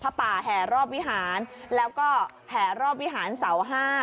ป่าแห่รอบวิหารแล้วก็แห่รอบวิหารเสาห้า